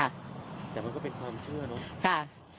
แต่มันก็เป็นความเชื่อเนอะ